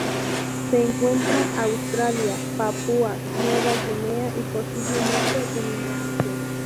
Se encuentra Australia, Papúa Nueva Guinea y posiblemente en Indonesia.